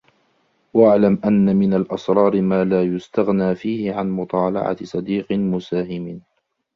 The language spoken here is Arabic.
وَاعْلَمْ أَنَّ مِنْ الْأَسْرَارِ مَا لَا يُسْتَغْنَى فِيهِ عَنْ مُطَالَعَةِ صَدِيقٍ مُسَاهِمٍ